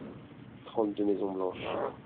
trente deux maisons blanches.